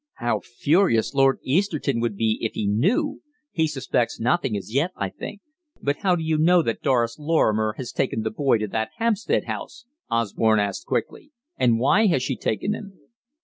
How furious Lord Easterton would be if he knew! He suspects nothing as yet, I think." "But how do you know that Doris Lorrimer has taken the boy to that Hampstead house?" Osborne asked quickly; "and why has she taken him?"